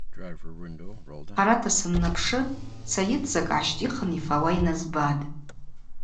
Хъарата саннапшы Сайыт закӏ гӏащтӏихын йфауа йназбатӏ.